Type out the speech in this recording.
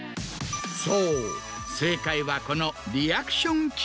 そう正解はこの。